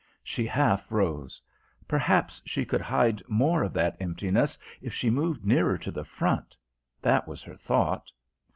She half rose. Perhaps she could hide more of that emptiness if she moved nearer to the front: that was her thought.